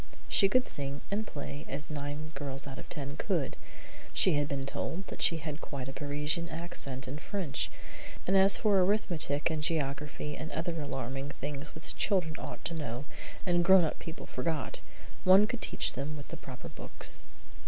She could sing and play as nine girls out of ten could. She had been told that she had quite a Parisian accent in French; and as for arithmetic and geography and other alarming things which children ought to know and grown up people forget, one could teach them with the proper books.